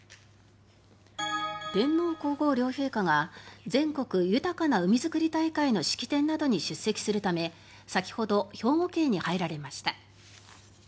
天皇・皇后両陛下が全国豊かな海づくり大会の式典などに出席するため先ほど、兵庫県に入られました。